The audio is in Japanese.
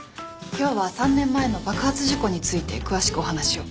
今日は３年前の爆発事故について詳しくお話を。